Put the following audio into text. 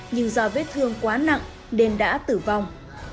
nhưng do vết thương quá nặng nên đã tử vong